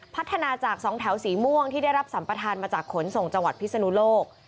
พัฒนาจาก๒แถวสีม่วงที่ได้รับสัมประธานมาจากขนส่งจังหวัดพิศนุโลก